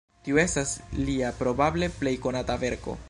Tiu estas lia probable plej konata verko.